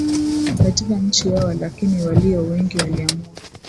katika nchi yao Walakini walio wengi waliamua